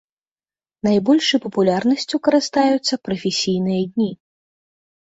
Найбольшай папулярнасцю карыстаюцца прафесійныя дні.